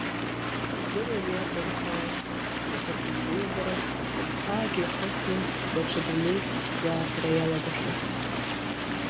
Исыздыруам иарбан ҳәаау, аха сыбзиабара, ҳәаак иахысны, даҽа дунеик сзаартра иалагахьан.